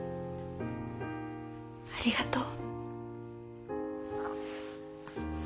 ありがとう。